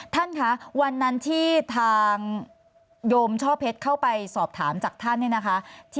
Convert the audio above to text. ท่านคะวันนั้นที่ทางโยมช่อเพชรเข้าไปสอบถามจากท่านเนี่ยนะคะ